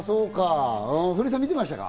古井さん、見てましたか？